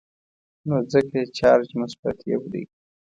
نو ځکه یې چارج مثبت یو دی.